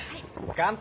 乾杯！